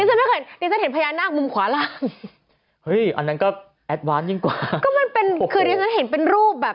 ฉันไม่เคยดิฉันเห็นพญานาคมุมขวาล่างเฮ้ยอันนั้นก็แอดวานยิ่งกว่าก็มันเป็นคือดิฉันเห็นเป็นรูปแบบ